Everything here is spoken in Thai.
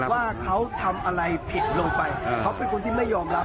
ว่าเขาทำอะไรผิดลงไปเขาเป็นคนที่ไม่ยอมรับ